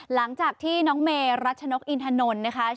หลังจากที่น้องเมรัชนกอินทนนท์นะคะ